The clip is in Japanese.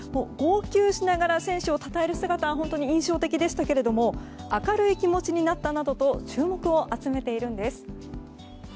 号泣しながら選手をたたえる姿が本当に印象的でしたけど明るい気持ちになったなどと注目を集めているんです。